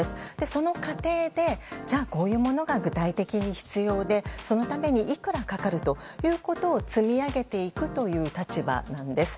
その過程でこういうものが具体的に必要でそのためにいくらかかるということを積み上げていくという立場なんです。